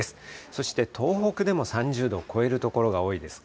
そして東北でも３０度を超える所が多いです。